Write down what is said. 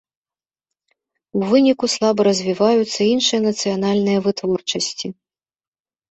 У выніку слаба развіваюцца іншыя нацыянальныя вытворчасці.